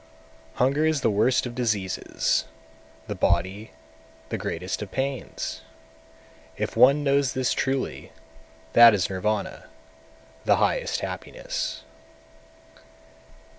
203. Hunger is the worst of diseases, the body the greatest of pains; if one knows this truly, that is Nirvana, the highest happiness.